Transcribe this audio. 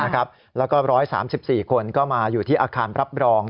แล้วก็๑๓๔คนก็มาอยู่ที่อาคารรับรอง